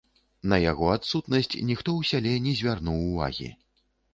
На яго адсутнасць ніхто ў сяле не звярнуў увагі.